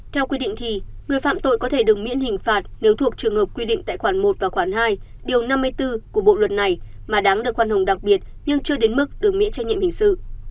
theo quy định thì người phạm tội có thể được miễn hình phạt nếu thuộc trường hợp quy định tại khoản một và khoản hai điều năm mươi bốn của bộ luật này mà đáng được khoan hồng đặc biệt nhưng chưa đến mức được miễn trách nhiệm hình sự